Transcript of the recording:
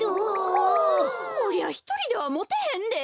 こりゃひとりではもてへんで。